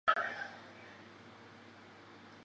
毕业于浙江农业大学农学专业。